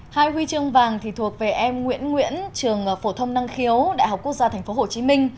hai huy chương vàng thì thuộc về em nguyễn nguyễn trường phổ thông năng khiếu đại học quốc gia tp hcm